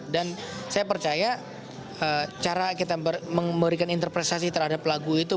dan saya percaya cara kita memberikan interpretasi terhadap lagu itu